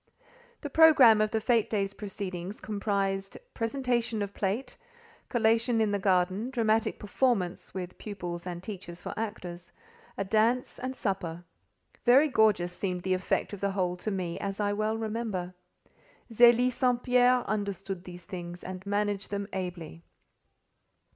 The programme of the fête day's proceedings comprised: Presentation of plate, collation in the garden, dramatic performance (with pupils and teachers for actors), a dance and supper. Very gorgeous seemed the effect of the whole to me, as I well remember. Zélie St. Pierre understood these things and managed them ably.